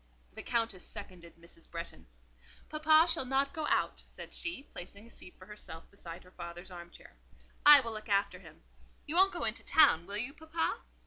The Countess seconded Mrs. Bretton. "Papa shall not go out," said she, placing a seat for herself beside her father's arm chair. "I will look after him. You won't go into town, will you, papa?"